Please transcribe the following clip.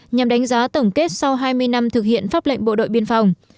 nhằm đánh giá tổng kết sau hai mươi năm thực hiện pháp lệnh bộ đội biên phòng